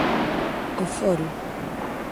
O Foro